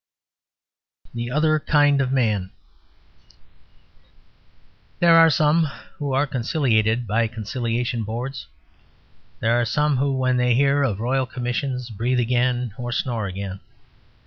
THE OTHER KIND OF MAN There are some who are conciliated by Conciliation Boards. There are some who, when they hear of Royal Commissions, breathe again or snore again.